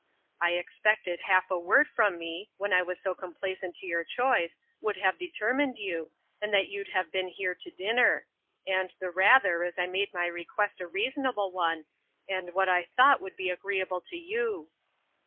—I expected half a word from me, when I was so complaisant to your choice, would have determined you, and that you'd have been here to dinner;—and the rather, as I made my request a reasonable one, and what I thought would be agreeable to you.